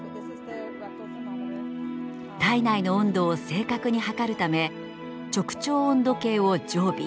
体内の温度を正確に測るため直腸温度計を常備。